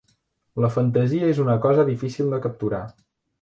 La fantasia és una cosa difícil de capturar.